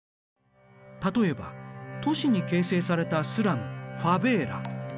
例えば都市に形成されたスラムファベーラ。